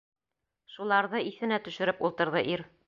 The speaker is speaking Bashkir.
Шуларҙы иҫенә төшөрөп ултырҙы ир.